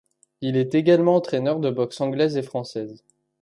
Il est également entraîneur de boxes anglaise et française.